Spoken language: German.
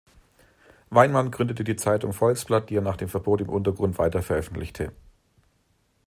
Weinmann gründete die Zeitung "Volksblatt", die er nach dem Verbot im Untergrund weiter veröffentlichte.